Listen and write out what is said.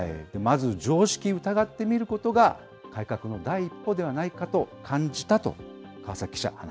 まず常識を疑ってみることが、改革の第一歩ではないかと感じた